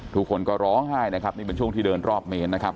ทุกคนก็ร้องไห้นะครับนี่เป็นช่วงที่เดินรอบเมนนะครับ